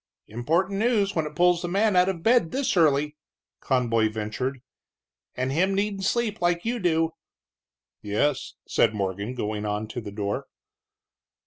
"Important news when it pulls a man out of bed this early," Conboy ventured, "and him needin' sleep like you do." "Yes," said Morgan, going on to the door.